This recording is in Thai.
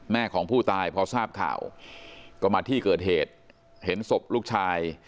ของผู้ตายพอทราบข่าวก็มาที่เกิดเหตุเห็นศพลูกชาย